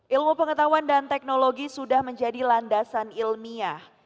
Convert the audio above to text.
ilmu pengetahuan dan teknologi sudah menjadi landasan ilmiah